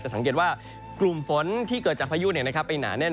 สังเกตว่ากลุ่มฝนที่เกิดจากพายุไปหนาแน่น